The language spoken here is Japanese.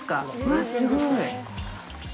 わあすごい。